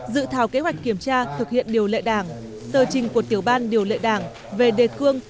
dự thảo kế hoạch kiểm tra thực hiện điều lệ đảng tờ trình của tiểu ban điều lệ đảng về đề cương